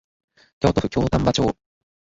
京都府京丹波町